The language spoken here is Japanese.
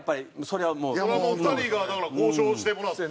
それはもう２人がだから交渉してもらって。